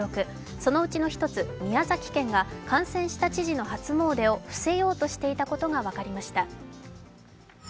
そのうちの１つ、宮崎県が感染した知事の初詣を伏せようとしていたことが分かりました。